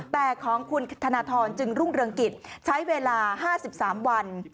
แต่ของคุณธนทรจึงรุ่งเรืองกิจใช้เวลา๕๓วัน